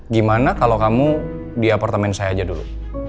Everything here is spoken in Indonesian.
gimana kalau kamu di apartemen saya aja dulu